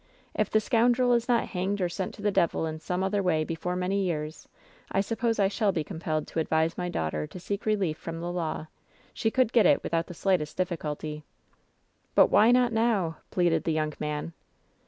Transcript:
If the scoundrel is not hanged or sent to the devil in some other way before many years, I suppose I shall be compelled to advise my daughter to seek relief from the law. She could get it without the slightest diflSculty." "But why not now ?" pleaded the young man.